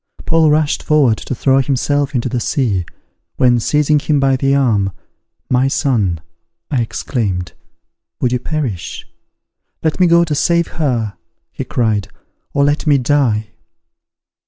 Paul rushed forward to throw himself into the sea, when, seizing him by the arm, "My son," I exclaimed, "would you perish?" "Let me go to save her," he cried, "or let me die!"